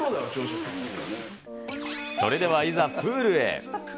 それでは、いざプールへ。